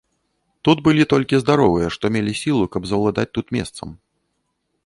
Тут былі толькі здаровыя, што мелі сілу, каб заўладаць тут месцам.